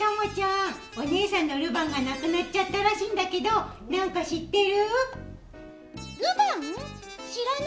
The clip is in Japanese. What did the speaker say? ともちゃん、お姉さんのルヴァンがなくなっちゃったらしいんだけど、なんか知ってる？